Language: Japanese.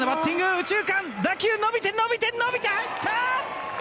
右中間、打球伸びて、伸びて入った！